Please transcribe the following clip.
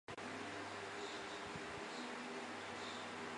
从此步入演艺界。